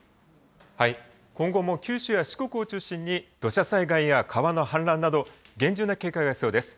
今後も九州や四国を中心に土砂災害や川の氾濫など、厳重な警戒が必要です。